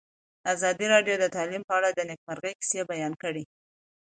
ازادي راډیو د تعلیم په اړه د نېکمرغۍ کیسې بیان کړې.